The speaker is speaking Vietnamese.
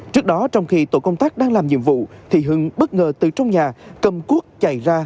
trong khi tội công tác đang làm nhiệm vụ thì hưng bất ngờ từ trong nhà cầm cuốc chạy ra